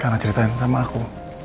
karena ceritain sama aku